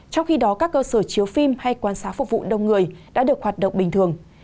trong khi đó các cơ sở chiếu phim hay quan xá phục vụ đông người đã được hoạt động bình thường